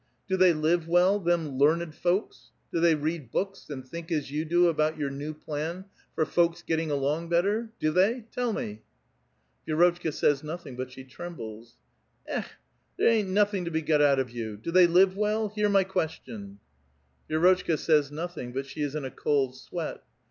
'' Do they live well, them learned folks ? Do they read books, and think as yo\x do about your new plan for folks getting along better ? Do they ? Tell me !" Vi6rotchka says nothing, but she trembles. " Ek! there ain't nothing to be got out of 3'ou. Do they live well? Hear my question !" Vi^rotchka says nothing, but she is in a cold sweat.